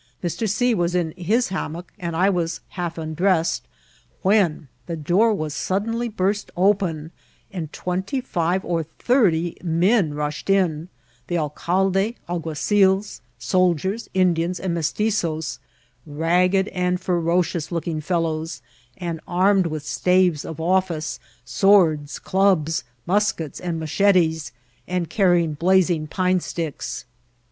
Mr. C. was in his ham mock, and I was half undressed, when the door was suddenly burst open, and twenty five or thirty men rushed in, the alcalde, alguazils, soldiers, Indians, and Mestitzoes, ragged and ferocious looking fellows, and armed with staves of office, swords, clubs, muskets, and machetes, and carrying blazing pine sticks.